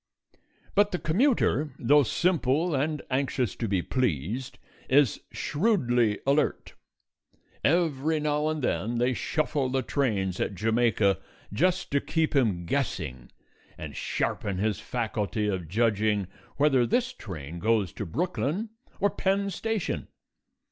But the commuter, though simple and anxious to be pleased, is shrewdly alert. Every now and then they shuffle the trains at Jamaica just to keep him guessing and sharpen his faculty of judging whether this train goes to Brooklyn or Penn Station.